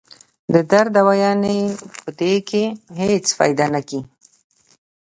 د درد دوايانې پۀ دې کښې هېڅ فائده نۀ کوي